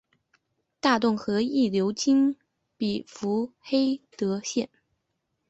大洞河亦流经比弗黑德县。